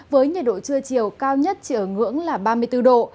với nhiệt độ trưa chiều cao nhất chỉ ở ngưỡng là ba mươi bốn độ